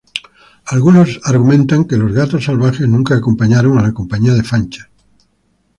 Algunos argumentan que los Gatos Salvajes nunca acompañaron a la Compañía de Fancher.